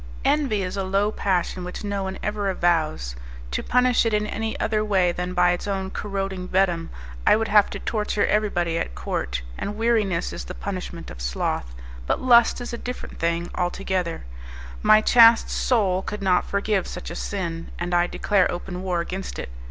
Envy is a low passion which no one ever avows; to punish it in any other way than by its own corroding venom, I would have to torture everybody at Court; and weariness is the punishment of sloth. But lust is a different thing altogether; my chaste soul could not forgive such a sin, and I declare open war against it.